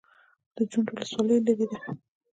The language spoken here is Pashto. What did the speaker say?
د جوند ولسوالۍ لیرې ده